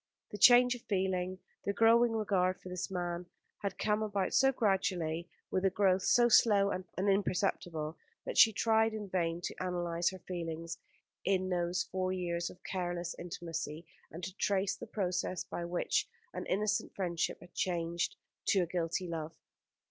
The change of feeling, the growing regard for this man, had come about so gradually, with a growth so slow and imperceptible, that she tried in vain to analyse her feelings in those four years of careless intimacy, and to trace the process by which an innocent friendship had changed to a guilty love.